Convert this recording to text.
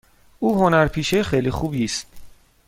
او هنرپیشه خیلی خوبی است.